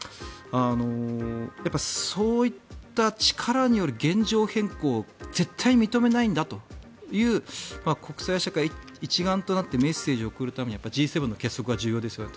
そういった力による現状変更を絶対認めないんだという国際社会一丸となってメッセージを送るためにＧ７の結束が重要ですよねと。